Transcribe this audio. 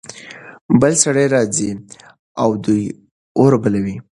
بل سړی راځي. دوی اور بلوي.